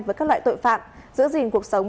với các loại tội phạm giữ gìn cuộc sống